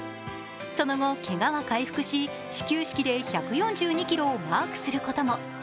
その後、けがは回復し、始球式で１４２キロをマークすることも。